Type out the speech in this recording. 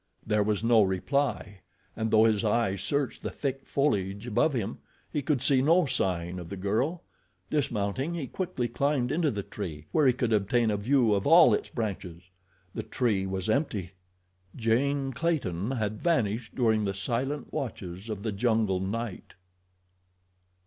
There was no reply, and though his eyes searched the thick foliage above him, he could see no sign of the girl. Dismounting, he quickly climbed into the tree, where he could obtain a view of all its branches. The tree was empty—Jane Clayton had vanished during the silent watches of the jungle night.